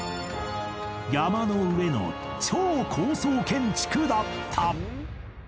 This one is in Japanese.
山の上の超高層建築だった！